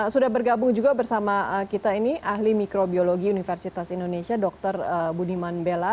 sudah bergabung juga bersama kita ini ahli mikrobiologi universitas indonesia dr budiman bella